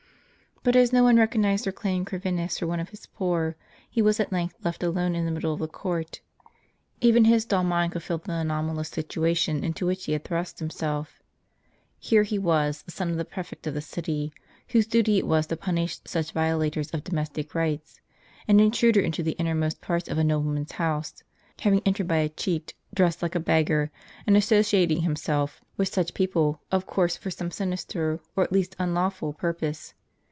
But as no one recog nized or claimed Corvinus for one of his poor, he was at length left alone in the middle of the court. Even his dull mind could feel the anomalous situation into which he had thrust himself. Here he was, the son of the prefect of the city, whose duty it was to punish such violators of domestic rights, an intruder into the innermost parts of a nobleman's house, hav ing entered by a cheat, dressed like a beggar, and associating himself with such people, of course for some sinister, or at least unlawful, purpose.